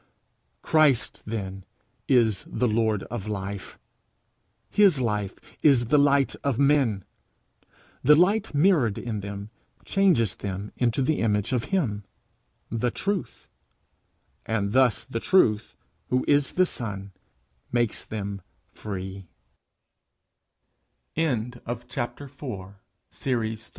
Christ then is the Lord of life; his life is the light of men; the light mirrored in them changes them into the image of him, the Truth; and thus the truth, who is the Son, makes them free. FREEDOM. _The Truth shall